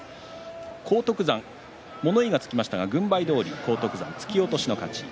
荒篤山も物言いがつきましたが軍配どおり荒篤山が突き落としの勝ち。